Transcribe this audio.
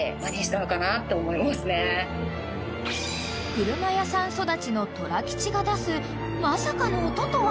［車屋さん育ちのトラキチが出すまさかの音とは？］